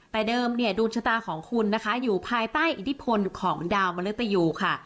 แต่เดิมเนี่ยดวงชะตาของคุณนะคะอยู่ภายใต้อิทธิพลของดาวมริตยูค่ะ